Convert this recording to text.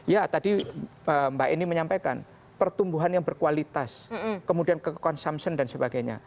ya tadi mbak eni menyampaikan pertumbuhan yang berkualitas kemudian ke consumption dan sebagainya